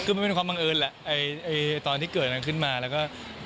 คือมันเป็นความบังเอิญแหละตอนที่เกิดนั้นขึ้นมาแล้วก็